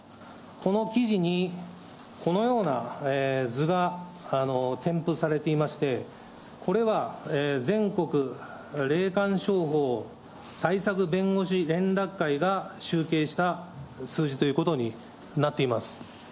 この記事に、このような図が添付されていまして、これは、全国霊感商法対策弁護士連絡会が集計した数字ということになっています。